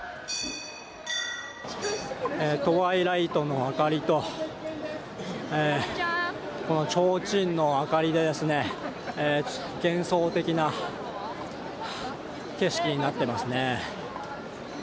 トワイライトの明かりとちょうちんの明かりで幻想的な景色になっていますね。